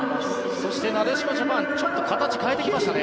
そしてなでしこジャパンちょっと形を変えてきましたね。